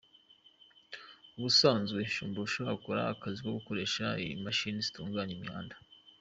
Ubusanzwe Shumbusho akora akazi ko gukoresha imashini zitunganya imihanda.